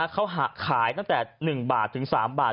เขาขายตั้งแต่๑บาทถึง๓บาท